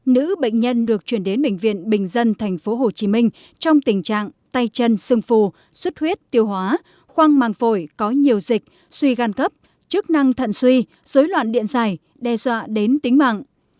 nữ bệnh nhân được chuyển đến bệnh viện bình dân tp hcm trong tình trạng tay chân sưng phù suất huyết tiêu hóa khoang màng phổi có nhiều dịch suy gan cấp chức năng thận suy dối loạn điện dài đe dọa đến tính mạng